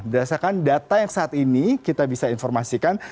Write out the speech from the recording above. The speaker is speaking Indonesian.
berdasarkan data yang saat ini kita bisa informasikan